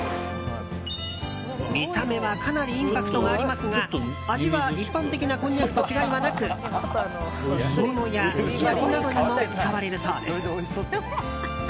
見た目はかなりインパクトがありますが味は一般的なこんにゃくと違いはなく煮物や、すき焼きなどにも使われるそうです。